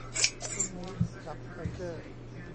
พรุ่งนี้ คลับ คัลเจอร์